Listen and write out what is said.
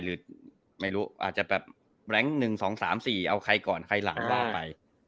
หรือไม่รู้อาจจะแบบแบล็ง๑๒๓๔เอาใครก่อนใครหลังว่าไป